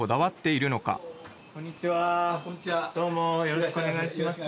よろしくお願いします。